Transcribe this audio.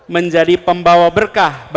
menjadi pembawa berkah